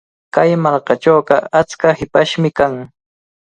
Kay markachawqa achka hipashmi kan.